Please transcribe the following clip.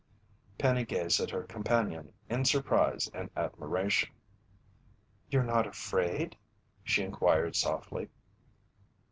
Penny gazed at her companion in surprise and admiration. "You're not afraid?" she inquired softly.